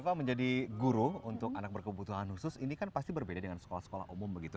eva menjadi guru untuk anak berkebutuhan khusus ini kan pasti berbeda dengan sekolah sekolah umum begitu